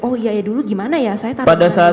oh iya ya dulu gimana ya saya taruh di meja duluan